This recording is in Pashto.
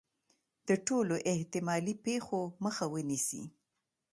د ټولو احتمالي پېښو مخه ونیسي.